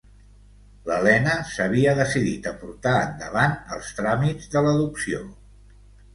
L’Elena s’havia decidit a portar endavant els tràmits de l’adopció.